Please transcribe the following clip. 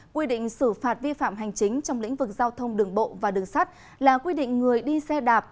quy định xử phạt vi phạm hành chính trong lĩnh vực giao thông đường bộ và đường sắt là quy định người đi xe đạp